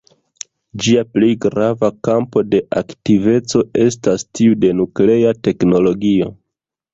Ĝia plej grava kampo de aktiveco estas tiu de nuklea teknologio.